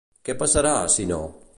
Què passarà, si no?